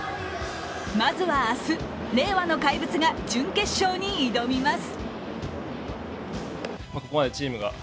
まずは明日、令和の怪物が準決勝に挑みます。